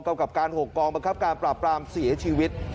กำกับการหกกองงศิลป์ปราบปรามเสียชีวิต